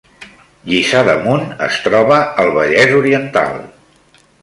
Lliça d’Amunt es troba al Vallès Oriental